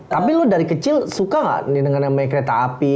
tapi lo dari kecil suka nggak dengerin nama kereta api